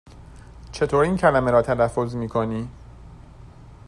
چطور این کلمه را تلفظ می کنی؟